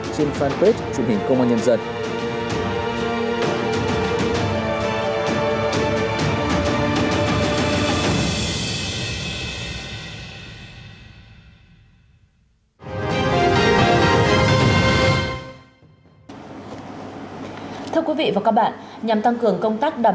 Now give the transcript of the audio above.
trên fanpage truyền hình công an nhân dân